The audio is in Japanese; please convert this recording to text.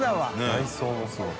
内装もすごい。